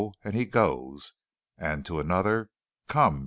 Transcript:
and he goes, and to another "Come!"